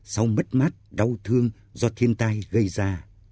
sau mất mát đau thương do thiên tai gây ra